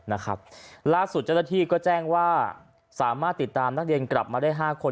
ล่าสุดเจ้าหน้าที่ก็แจ้งว่าสามารถติดตามนักเรียนกลับมาได้ห้าคน